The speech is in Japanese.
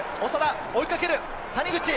追いかける、谷口！